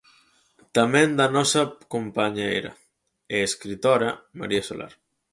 Tamén da nosa compañeira, e escritora, María Solar.